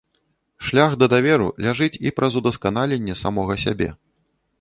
Шлях да даверу ляжыць і праз удасканаленне самога сябе.